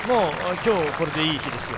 今日はこれでいい日ですよ。